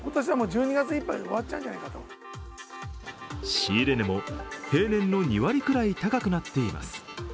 仕入れ値も平年の２割くらい高くなっています。